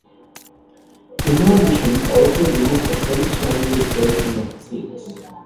Imavision also released a French-language version of the series.